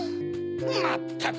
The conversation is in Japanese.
まったく！